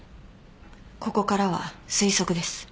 ここからは推測です。